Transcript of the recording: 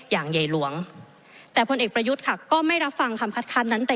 อย่างใหญ่หลวงแต่พลเอกประยุทธ์ค่ะก็ไม่รับฟังคำคัดค้านนั้นแต่